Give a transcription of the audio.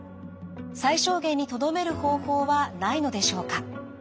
最小限にとどめる方法はないのでしょうか。